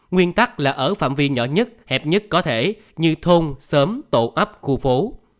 nguyên tắc là ở phạm vi nhỏ nhất hẹp nhất có thể như thôn xóm tổ ấp khu phố